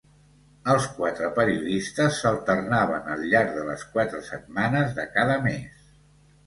Els quatre periodistes s'alternaven al llarg de les quatre setmanes de cada mes.